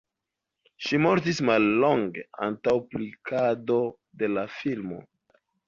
Ŝi mortis mallonge antaŭ publikado de la filmo.